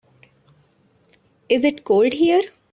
Is it cold here?